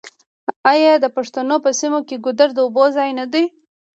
آیا د پښتنو په سیمو کې ګودر د اوبو ځای نه دی؟